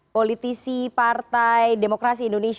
politisi partai demokrasi indonesia